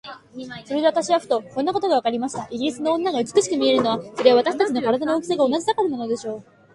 それで私はふと、こんなことがわかりました。イギリスの女が美しく見えるのは、それは私たちと身体の大きさが同じだからなのでしょう。